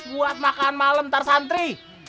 buat makan malam ntar santri